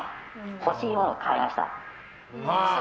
欲しいものは買いました。